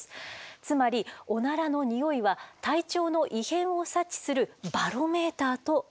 つまりオナラのにおいは体調の異変を察知するバロメーターとなっているんでございます。